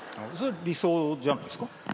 理想じゃないですか？